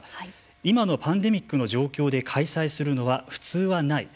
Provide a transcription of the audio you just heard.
今のパンデミックの状況で開催するのは普通はない。